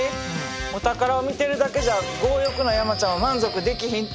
お宝を見てるだけじゃ強欲な山ちゃんは満足できひんて。